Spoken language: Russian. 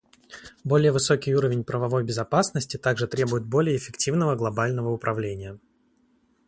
Более высокий уровень правовой безопасности также требует более эффективного глобального управления.